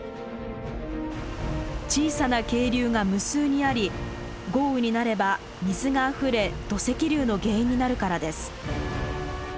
小さな渓流が無数にあり豪雨になれば水があふれ土石流の原因になるからです。